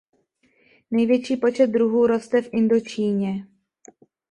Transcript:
Největší počet druhů roste v Indočíně.